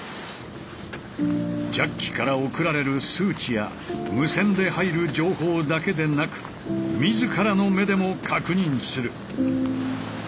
ジャッキから送られる数値や無線で入る情報だけでなく自らの目でも確認する。